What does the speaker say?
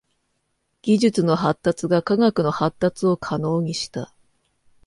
技術の発達が科学の発達を可能にした。